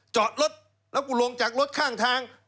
จอดรถแล้วกูลงจากรถข้างทาง